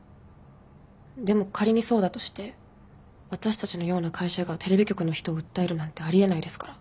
でも仮にそうだとして私たちのような会社がテレビ局の人を訴えるなんてあり得ないですから。